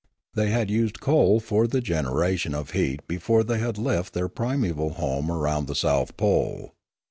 They had used coal for the generation of heat before they had left their primeval home around the south pole.